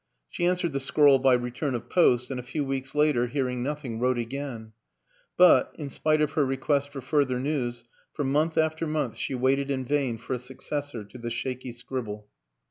" She answered the scrawl by return of post and a few weeks later, hearing nothing, wrote again; but, in spite of her request for further news, for month after month she waited in vain for a successor to the shaky scribble.